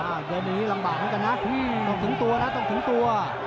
เกมนี้ลำบากเหมือนกันนะต้องถึงตัวนะต้องถึงตัว